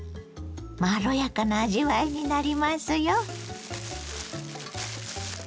まろやかな味わいになりますよ。